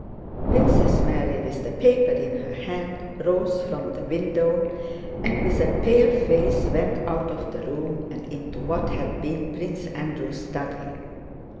Princess Mary, with the paper in her hand, rose from the window and with a pale face went out of the room and into what had been Prince Andrew's study.